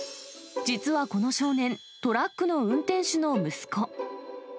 実はこの少年、トラックの運転手の息子。